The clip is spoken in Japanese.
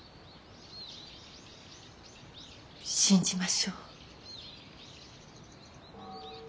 信じましょう。